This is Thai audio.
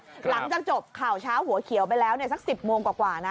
หลังจากจบข่าวเช้าหัวเขียวไปแล้วเนี่ยซักสิบโมงกว่ากว่านะ